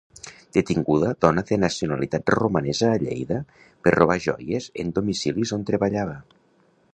Detinguda dona de nacionalitat romanesa a Lleida per robar joies en domicilis on treballava